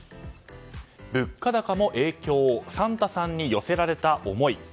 物価高も影響サンタさんに寄せられた思い。